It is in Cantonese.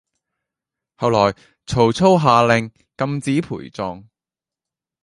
後來曹操下令禁止陪葬